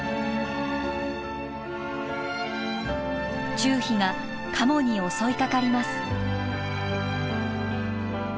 チュウヒがカモに襲いかかります。